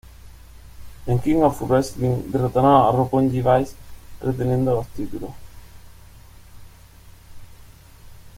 En King of Pro-Wrestling, derrotaron a Roppongi Vice, reteniendo los títulos.